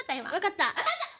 わかった。